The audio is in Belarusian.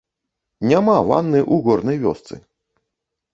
Няма ванны ў горнай вёсцы.